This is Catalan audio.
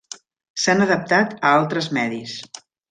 S'han adaptat a altres medis.